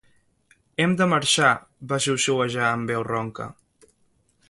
"Hem de marxar", va xiuxiuejar amb veu ronca.